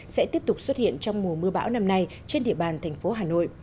sẽ tiếp tục xuất hiện trong mùa mưa bão năm nay trên địa bàn thành phố hà nội